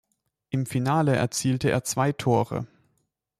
Im Finale erzielte er zwei Tore.